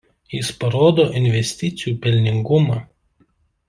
Jis parodo investicijų pelningumą.